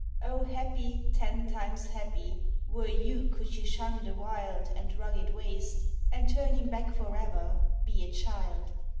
Oh! happy, ten times happy, were you could you shun the wild And rugged waste; and turning back for ever, be a child.